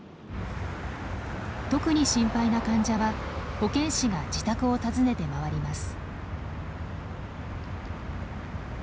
特に心配な患者は保健師が自宅を訪ねて回ります。